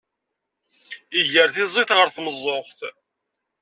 Iger tizit ɣer tmeẓẓuɣt.